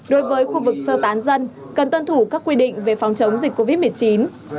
đối với khu vực sơ tán dân cần tuân thủ các quy định về phòng chống dịch covid một mươi chín